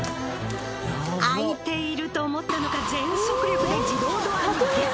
開いていると思ったのか全速力で自動ドアに激突！